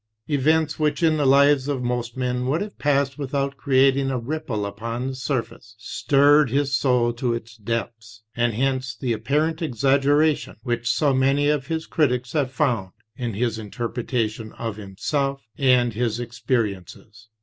Events which in the lives of most men would have passed without creating a ripple upon the surface, stirred his soul to its depths; and hence the apparent exaggeration which so many of his critics have found in his interpretation of himself and his experiences.